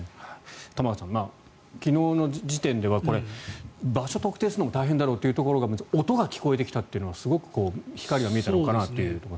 玉川さん、昨日の時点では場所を特定するのも大変だろうというところから音が聞こえてきたというのはすごく光が見えたのかなというところ。